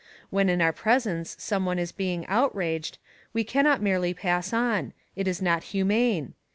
When in our presence some one is being outraged, we cannot merely pass on; it is not humane.